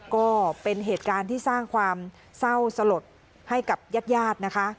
ก็เป็นเหตุการณ์ที่สร้างความเศร้าสลดให้กับญาติญาตินะคะ